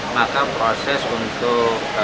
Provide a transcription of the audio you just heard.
maka proses untuk